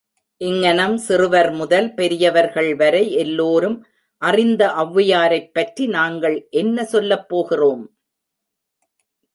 இங்ஙனம் சிறுவர்முதல் பெரியவர்கள்வரை எல்லோரும் அறிந்த ஒளவையாரைப்பற்றி, நாங்கள் என்ன சொல்லப்போகிறோம்?